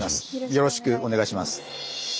よろしくお願いします。